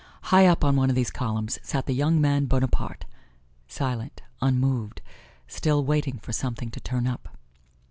High up on one of these columns sat the young man Bonaparte, silent, unmoved, still waiting for something to turn up.